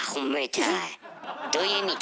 どういう意味だ？